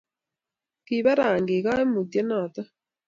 kibo rangik kaimutie noto